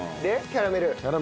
キャラメル。